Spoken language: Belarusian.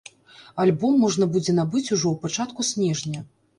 Альбом можна будзе набыць ужо ў пачатку снежня.